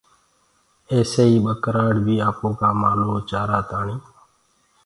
ايسي ئيٚ ٻڪرآڙ بي آپوڪآ مآلوُ چآرآ تآڻي